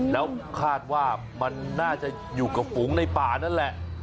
แล้วคาดว่ามันน่าจะอยู่กับฝูงในป่านั่นแหละ